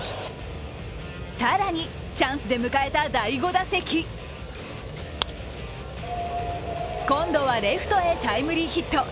更に、チャンスで迎えた第５打席今度はレフトへタイムリーヒット。